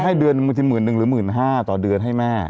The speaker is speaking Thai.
แตงโมเลยให้เดือน๐๐๑หรือ๑๕๐๐๐ต่อเดือนให้แม่